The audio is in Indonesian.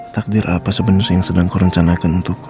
takdir apa sebenarnya yang sedang kurencanakan untukku